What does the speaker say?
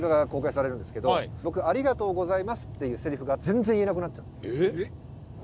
僕「ありがとうございます」っていうセリフが全然言えなくなっちゃって。